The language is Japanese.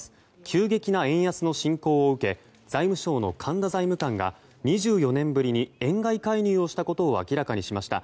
急激な円安の進行を受け財務省の神田財務官が２４年ぶりに円買い介入をしたことを明らかにしました。